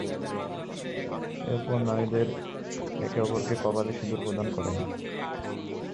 এর পর নারীদের একে অপরকে কপালে সিঁদুর প্রদান করেন।